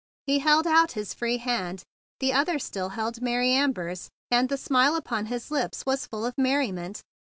He held out his free hand—the other still held Mary Amber's, and the smile upon his lips was full of merriment.